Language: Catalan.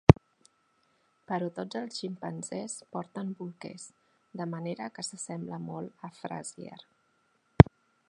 Però tots els ximpanzés porten bolquers, de manera que s'assembla molt a "Frasier".